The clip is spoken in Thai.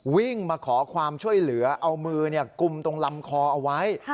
วิ่งมาขอความช่วยเหลือเอามือกุมตรงลำคอเอาไว้